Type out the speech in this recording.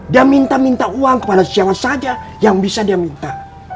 dia minta minta uang kepada siapa saja yang bisa dia minta